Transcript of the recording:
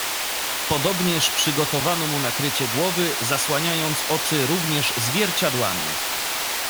"Podobnież przygotowano mu nakrycie głowy, zasłaniając oczy również zwierciadłami."